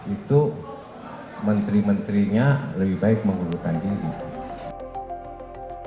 itu menteri menterinya lebih baik mengundurkan diri